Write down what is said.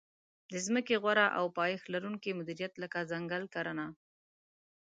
د ځمکې غوره او پایښت لرونکې مدیریت لکه ځنګل کرنه.